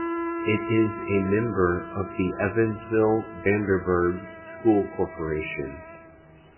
It is a member of the Evansville Vanderburgh School Corporation.